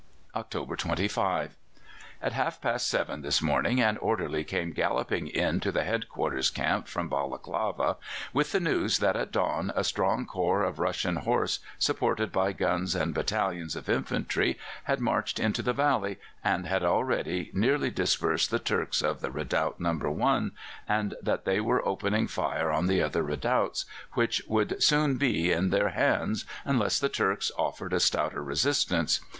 "October 25. At half past seven this morning an orderly came galloping in to the head quarters camp from Balaklava with the news that at dawn a strong corps of Russian horse, supported by guns and battalions of infantry, had marched into the valley, and had already nearly dispersed the Turks of the redoubt No. 1, and that they were opening fire on the other redoubts, which would soon be in their hands unless the Turks offered a stouter resistance.